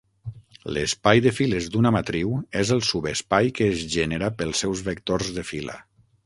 L'espai de files d'una matriu és el subespai que es genera pels seus vectors de fila.